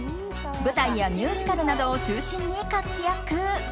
舞台やミュージカルなどを中心に活躍。